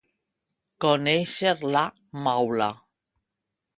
Conèixer la maula.